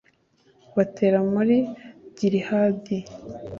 batera muri gilihadi